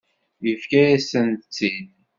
Yefka-yasent-t-id.